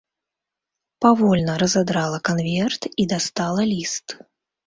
Павольна разадрала канверт і дастала ліст.